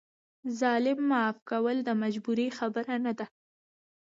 ظالم معاف کول د مجبورۍ خبره نه ده.